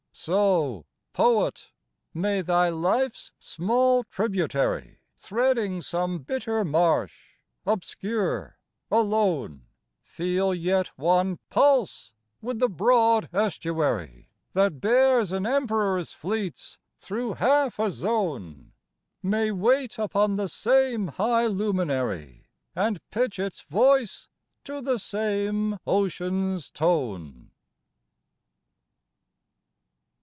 So, poet, may thy life's small tributary Threading some bitter marsh, obscure, alone, Feel yet one pulse with the broad estuary That bears an emperor's fleets through half a zone: May wait upon the same high luminary And pitch its voice to the same ocean's tone.